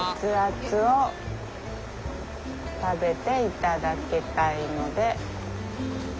熱々を食べていただきたいので。